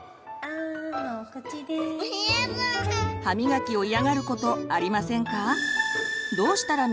歯みがきを嫌がることありませんか？